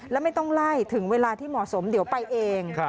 แล้วไม่ต้องไล่ถึงเวลาที่เหมาะสมเดี๋ยวไปเอง